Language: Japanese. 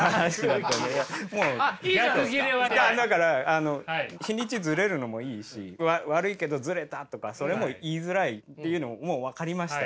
だからあの日にちずれるのもいいし悪いけどずれたとかそれも言いづらいっていうのももう分かりました。